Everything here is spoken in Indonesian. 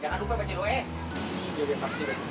jangan lupa baca lo eh